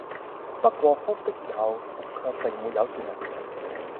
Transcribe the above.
不過哭的時候，卻並沒有説明，